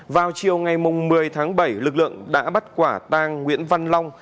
vào chiều ngày một mươi tháng bảy lực lượng đã bắt quả tang nguyễn văn long